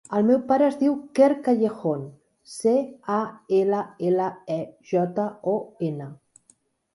El meu pare es diu Quer Callejon: ce, a, ela, ela, e, jota, o, ena.